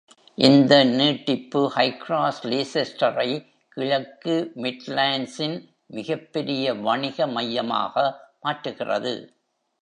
இந்த நீட்டிப்பு ஹைக்ராஸ் லீசெஸ்டரை கிழக்கு மிட்லாண்ட்ஸின் மிகப்பெரிய வணிக மையமாக மாற்றுகிறது.